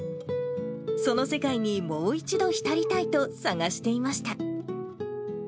その世界にもう一度ひたりたいと探していました。